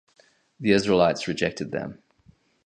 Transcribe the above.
The Israelites rejected them.